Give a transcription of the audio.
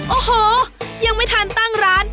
โอ้โหยังไม่ทันตั้งร้าน